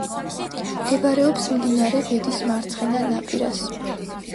მდებარეობს მდინარე ვედის მარცხენა ნაპირას.